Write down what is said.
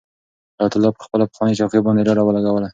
حیات الله په خپله پخوانۍ چوکۍ باندې ډډه ولګوله.